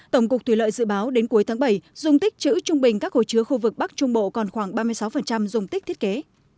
tổng cục thủy lợi dự báo đến cuối tháng bảy dùng tích chữ trung bình các hồ chứa khu vực bắc trung bộ còn khoảng ba mươi sáu dùng tích thiết kế